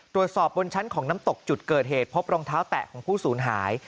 บนชั้นของน้ำตกจุดเกิดเหตุพบรองเท้าแตะของผู้สูญหาย